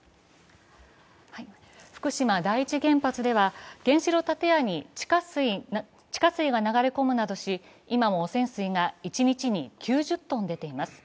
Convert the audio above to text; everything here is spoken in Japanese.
福島第一原発では原子炉建屋に地下水が流れ込むなどし今も汚染水が一日に９０ｔ出ています。